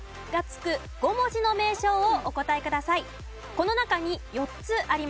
この中に４つあります。